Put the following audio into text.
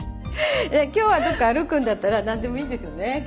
今日はどこか歩くんだったら何でもいいんですよね。